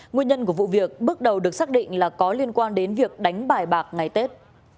nguyên nhân của vụ việc bước đầu được xác định là có liên quan đến việc đánh bài bạc ngày tết